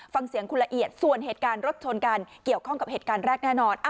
ฟังเสียงคุณละเอียดส่วนเหตุการณ์รถชนกันเกี่ยวข้องกับเหตุการณ์แรกแน่นอน